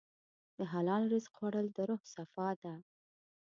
د حلال رزق خوړل د روح صفا ده.